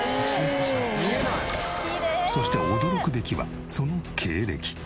そして驚くべきはその経歴。